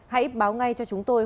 hãy báo ngay cho chúng tôi